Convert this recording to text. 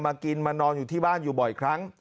กินมานอนอยู่ที่บ้านอยู่บ่อยครั้ง